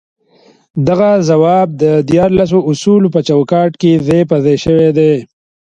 دغه ځواب د ديارلسو اصولو په چوکاټ کې ځای پر ځای شوی دی.